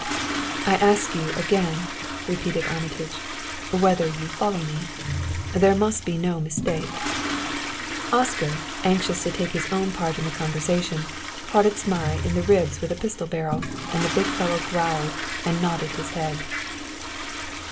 "I ask you again," repeated Armitage, "whether you follow me. There must be no mistake." Oscar, anxious to take his own part in the conversation, prodded Zmai in the ribs with a pistol barrel, and the big fellow growled and nodded his head.